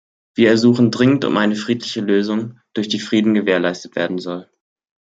Wir ersuchen dringend um eine friedliche Lösung, durch die Frieden gewährleister werden soll.